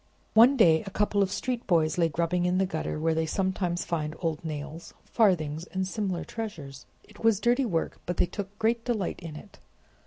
One day a couple of street boys lay grubbing in the gutter where they sometimes find old nails, farthings, and similar treasures. It was dirty work, but they took great delight in it.